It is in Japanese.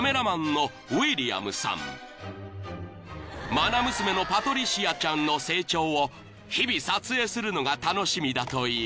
［愛娘のパトリシアちゃんの成長を日々撮影するのが楽しみだという］